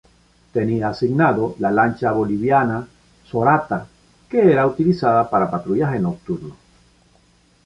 Tenía asignado la lancha boliviana "Sorata", que era utilizada para patrullaje nocturno.